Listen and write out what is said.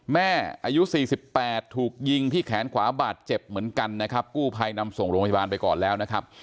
แม่อายุ๔๘ถูกยิงที่แขนขวาบาดเจ็บเหมือนกันกู้ไพนำส่งโรงพยาบาลไปก่อนแล้ว